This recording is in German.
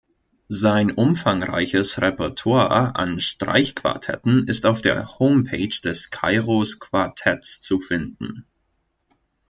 Sein umfangreiches Repertoire an Streichquartetten ist auf der Homepage des "Kairos Quartetts" zu finden.